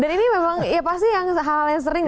dan ini memang ya pasti hal yang sering